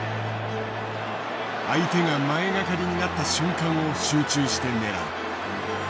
相手が前がかりになった瞬間を集中して狙う。